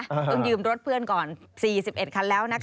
ต้องยืมรถเพื่อนก่อน๔๑คันแล้วนะคะ